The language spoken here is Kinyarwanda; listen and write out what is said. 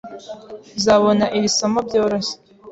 Uzabona iri somo byoroshye.